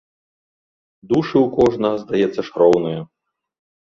Душы ў кожнага, здаецца ж, роўныя!